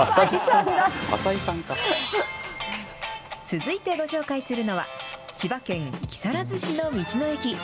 続いてご紹介するのは、千葉県木更津市の道の駅。